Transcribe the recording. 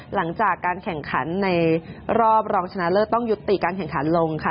หลังจากการแข่งขันในรอบรองชนะเลิศต้องยุติการแข่งขันลงค่ะ